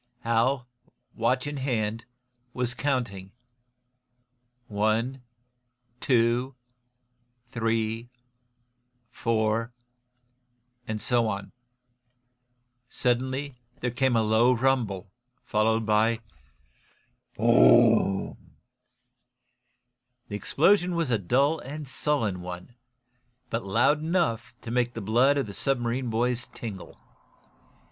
Hal, watch in hand was counting: "One, two, three, four " and so on. Suddenly there came a low rumble, followed by Boo oom! The explosion was a dull and sullen one, but loud enough to make the blood of the submarine boys tingle.